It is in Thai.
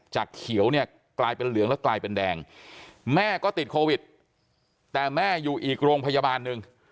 เขียวเนี่ยกลายเป็นเหลืองแล้วกลายเป็นแดงแม่ก็ติดโควิดแต่แม่อยู่อีกโรงพยาบาลหนึ่ง